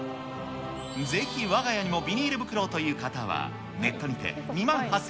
ぜひわが家にもビニール袋をという方は、ネットにて２万８８００